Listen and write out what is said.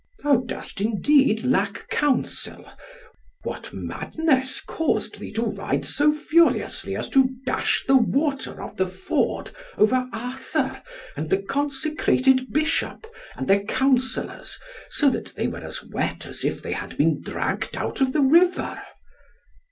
"Thou dost indeed lack counsel. What madness caused thee to ride so furiously as to dash the water of the ford over Arthur, and the consecrated Bishop, and their counsellors, so that they were as wet as if they had been dragged out of the river?"